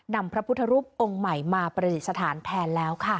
นำพระพุทธรูปองค์ใหม่มาประดิษฐานแทนแล้วค่ะ